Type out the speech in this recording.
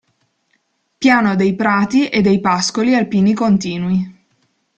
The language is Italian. Piano dei prati e dei pascoli alpini continui.